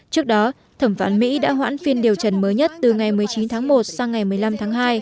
trước đó thẩm phán mỹ đã hoãn phiên điều trần mới nhất từ ngày một mươi chín tháng một sang ngày một mươi năm tháng hai